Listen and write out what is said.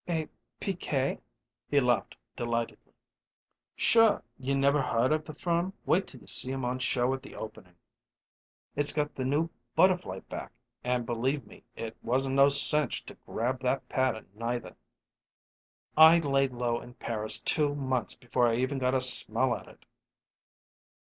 "A Piquette?" He laughed delightedly. "Sure! You never heard of the firm? Wait till you see 'em on show at the openin'. It's got the new butterfly back; and, believe me, it wasn't no cinch to grab that pattern, neither. I laid low in Paris two months before I even got a smell at it."